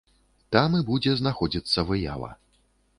Там і будзе знаходзіцца выява.